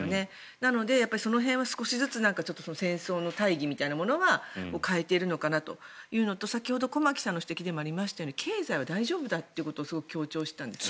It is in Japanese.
なので、その辺は少しずつ戦争の大義みたいなものは変えているのかなというのと先ほど駒木さんの指摘でもありましたように経済は大丈夫だということをすごく強調していたんですね。